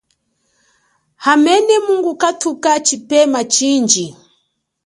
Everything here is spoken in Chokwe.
Hamene mungukathuka chimene chindji.